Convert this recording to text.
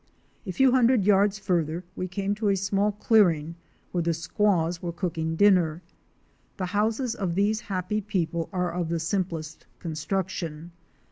A few hundred yards farther we came to a small clearing where the squaws were cooking dinner. The houses of these happy people are of the simplest construction.